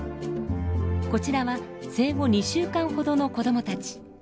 こちらは生後２週間ほどの子どもたち。